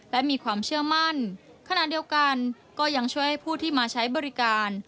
และมีความเชื่อมั่นขณะเดียวกันก็ยังช่วยให้ผู้ที่มาใช้บริการ